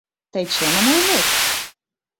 Тый чыным ойлет?